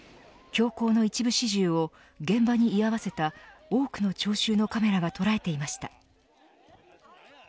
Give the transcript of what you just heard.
凶行の一部始終を現場に居合わせた多くの聴衆のカメラが捉えていました。